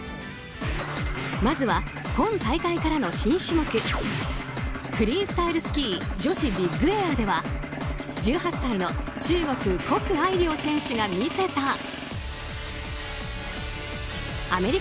まずは、今大会からの新種目フリースタイルスキー女子ビッグエアでは１８歳の中国コク・アイリョウ選手が見せた。